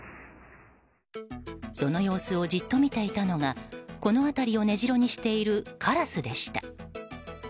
その様子をじっと見ていたのがこの辺りを根城にしているカラスでした。